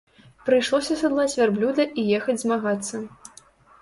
Прыйшлося сядлаць вярблюда і ехаць змагацца.